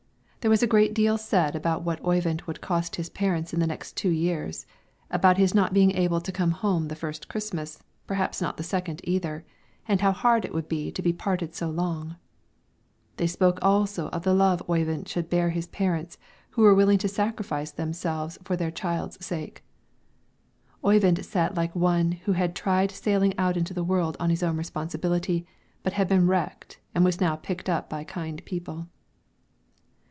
There was a great deal said about what Oyvind would cost his parents in the next two years; about his not being able to come home the first Christmas, perhaps not the second either, and how hard it would be to be parted so long. They spoke also of the love Oyvind should bear his parents who were willing to sacrifice themselves for their child's sake. Oyvind sat like one who had tried sailing out into the world on his own responsibility, but had been wrecked and was now picked up by kind people.